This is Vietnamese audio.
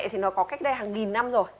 thì nó có cách đây hàng nghìn năm rồi